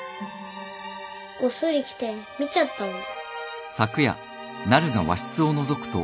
こっそり来て見ちゃったんだ。